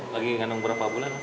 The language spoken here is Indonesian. lagi mengandung berapa bulan